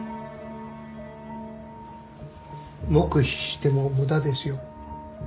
黙秘しても無駄ですよ。